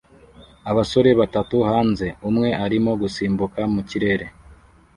Abasore batatu hanze umwe barimo gusimbuka mu kirere